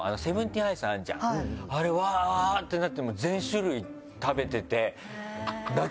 あれをうわぁってなって全種類食べてて。